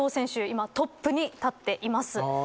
今トップに立っています。